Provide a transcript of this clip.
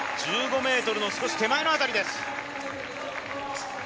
１５ｍの少し手前の辺りです。